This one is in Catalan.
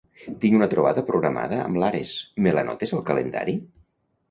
Tinc una trobada programada amb l'Ares, me l'anotes al calendari?